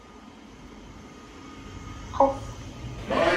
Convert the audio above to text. Qqes.